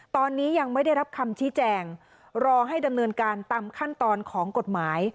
ตอนนี้ยังไม่ได้รับคำชี้แจงรอให้ดำเนินการตามขั้นตอนของกฎหมาย